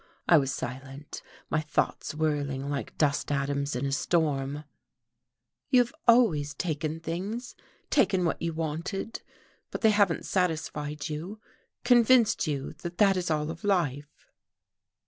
I was silent, my thoughts whirling like dust atoms in a storm. "You have always taken things taken what you wanted. But they haven't satisfied you, convinced you that that is all of life."